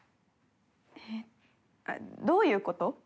えっどういう事？